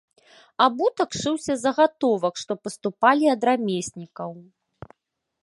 Абутак шыўся з загатовак, што паступалі ад рамеснікаў.